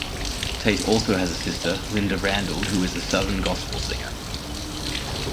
Tait also has a sister Lynda Randle, who is a Southern Gospel singer.